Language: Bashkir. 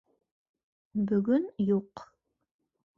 Бөгөн юҡ